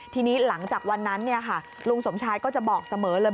ทีนี้หลังจากวันนั้นลุงสมชายก็จะบอกเสมอเลย